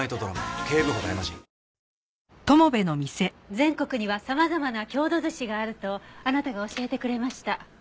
全国には様々な郷土寿司があるとあなたが教えてくれました。